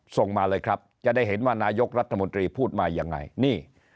ส่งมาเลยครับจะได้เห็นว่านายกรัฐมนตรีพูดมายังไงนี่